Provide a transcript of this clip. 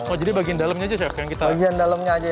oh jadi bagian dalamnya aja chef yang kita naikin butter